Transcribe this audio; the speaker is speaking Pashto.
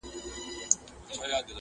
نو یې مخ سو پر جومات او پر لمونځونو؛